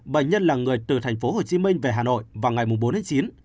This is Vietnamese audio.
bệnh nhân là người từ tp hcm về hà nội vào ngày bốn tháng chín